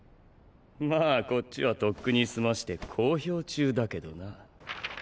まァこっちはとっくに済まして公表中だけどな。